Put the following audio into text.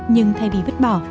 nhưng thay vì vứt bỏ